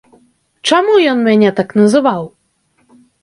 Чаму ён мяне так называў?